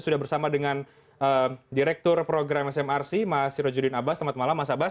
sudah bersama dengan direktur program smrc mas sirojudin abbas selamat malam mas abbas